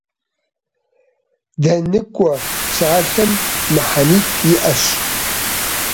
«ДэныкӀуэ» псалъэм мыхьэнитӀ иӀэщ.